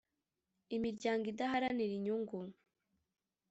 imiryango idaharanira inyungu